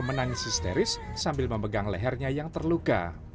menangis histeris sambil memegang lehernya yang terluka